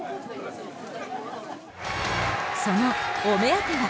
そのお目当ては。